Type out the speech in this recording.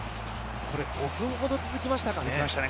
５分ほど続きましたよね。